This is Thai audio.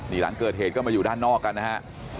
นี่หลังเกิดเหตุก็มาอยู่ด้านนอกกันนะฮะ